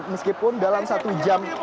meskipun dalam satu jam